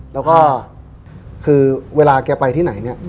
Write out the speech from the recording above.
แล้วก็คือเวลาแกไปที่ไหนเนี่ย